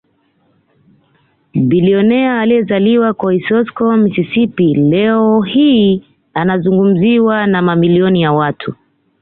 Bilionea aliyezaliwa Kosiosko Mississippi leo hii anazungumziwa na mamilioni ya watu